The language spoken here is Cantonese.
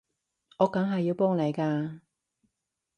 我梗係要幫你㗎